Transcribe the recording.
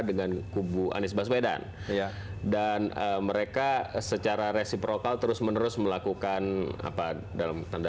dengan kubu anies baswedan dan mereka secara resiprokal terus menerus melakukan apa dalam tanda